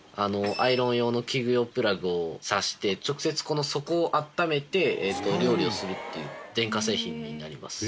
アイロン用の器具用プラグを挿して直接、この底を温めて料理をするっていう電化製品になります。